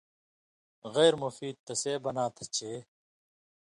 غیر مفید تسے بناں تھہ چے